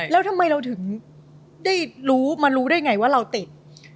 แล้วทำไมเราถึงได้รู้มารู้ได้ไงว่าเราติด